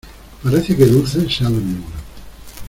parece que Dulce se ha dormido.